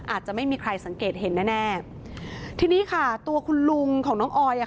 อาจจะไม่มีใครสังเกตเห็นแน่แน่ทีนี้ค่ะตัวคุณลุงของน้องออยอ่ะ